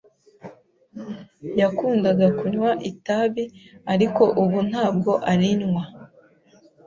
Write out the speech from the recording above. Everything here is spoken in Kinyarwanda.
Yakundaga kunywa itabi, ariko ubu ntabwo arinywa.